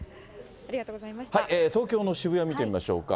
東京の渋谷見てみましょうか。